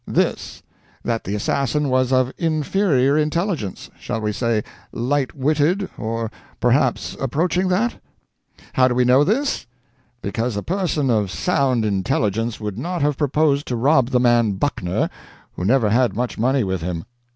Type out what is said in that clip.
This: that the assassin was of inferior intelligence shall we say light witted, or perhaps approaching that? How do we know this? Because a person of sound intelligence would not have proposed to rob the man Buckner, who never had much money with him.